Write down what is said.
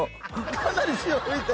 かなり塩ふいて。